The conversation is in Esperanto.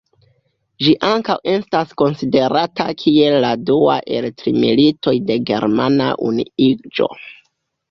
Ĝi ankaŭ estas konsiderata kiel la dua el tri Militoj de Germana Unuiĝo.